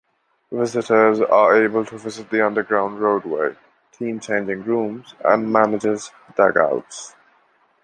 Visitors are able to visit the underground roadway, team changing rooms and managers dugouts.